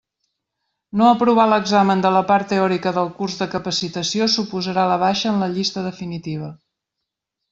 No aprovar l'examen de la part teòrica del curs de capacitació suposarà la baixa en la llista definitiva.